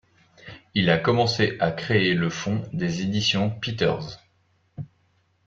Il a commencé à créer le fonds des éditions Peters.